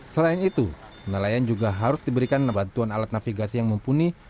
selain itu nelayan juga harus diberikan bantuan alat navigasi yang mumpuni